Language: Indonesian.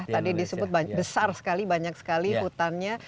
tadi disebut besar sekali banyak sekali hutannya